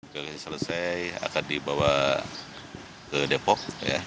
selesai akan dibawa ke depok